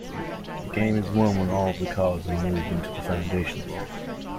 The game is won when all of the cards are moved into the foundations.